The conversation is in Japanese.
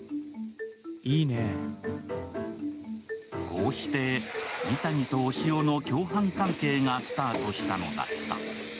こうして二谷と押尾の共犯関係がスタートしたのだった。